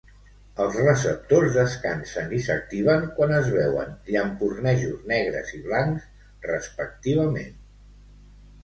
Els receptors descansen i s'activen quan es veuen llampurnejos negres i blancs respectivament.